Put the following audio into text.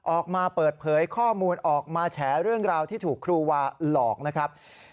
ออกมาเปิดเผยข้อมูลออกมาแฉเรื่องราวที่ถูกครูวาหลอกนะครับ